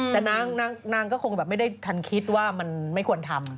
แต่นางก็คงแบบไม่ได้ทันคิดว่ามันไม่ควรทำ